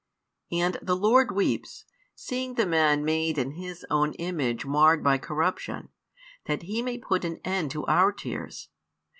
And the Lord weeps, seeing the man made in His own image marred by corruption, that He may put an end to our tears.